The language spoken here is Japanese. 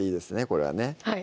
これはね